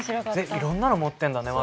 いろんなの持ってるんだねワロティ。